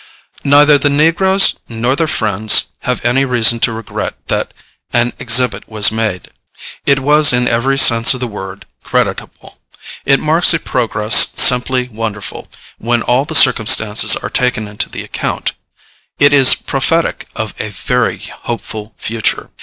Neither the negroes nor their friends have any reason to regret that an exhibit was made. It was in every sense of the word creditable. It marks a progress simply wonderful, when all the circumstances are taken into the account. It is prophetic of a very hopeful future.